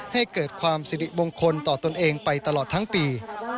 ให้เกิดความสิริมงคลต่อตนเองไปตลอดทั้งปี